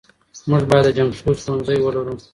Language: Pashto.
موږ بايد د جنګښود ښوونځی ولرو .